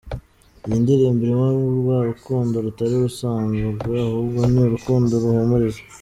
Iyi ndirimbo irimo rwa rukundo rutari urusanzwe ahubwo ni urukundo ruhumuriza.